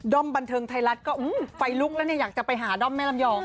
บันเทิงไทยรัฐก็ไฟลุกแล้วเนี่ยอยากจะไปหาด้อมแม่ลำยอง